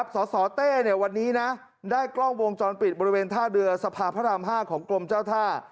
สสเต้วันนี้นะได้กล้องวงจรปิดบริเวณท่าเรือสภาพพระราม๕ของกรมเจ้าท่า